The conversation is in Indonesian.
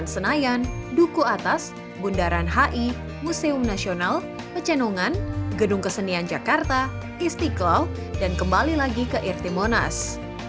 senayan duku atas bundaran hi museum nasional pecenongan gedung kesenian jakarta istiqlal dan kembali lagi ke irti monas